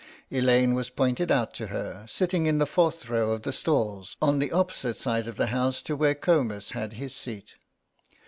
Elaine was pointed out to her, sitting in the fourth row of the stalls, on the opposite side of the house to where Comus had his seat.